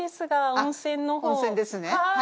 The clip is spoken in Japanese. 温泉ですね。